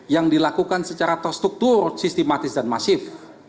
yang dilakukan secara terstruktur sistematis dan masif